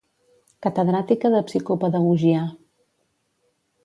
Catedràtica de Psicopedagogia.